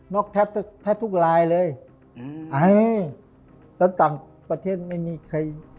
นอกแทบแทบทุกรายเลยเฮ้ยตั้งประเทศไม่มีใครพอ